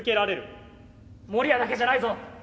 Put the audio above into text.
モリヤだけじゃないぞ！